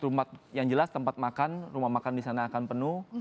rumah yang jelas tempat makan rumah makan di sana akan penuh